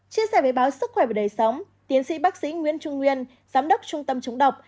chia sẻ với báo sức khỏe và đời sống tiến sĩ bác sĩ nguyễn trung nguyên giám đốc trung tâm chống độc